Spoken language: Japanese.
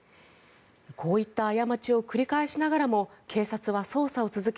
こういった過ちを繰り返しながらも警察は捜査を続け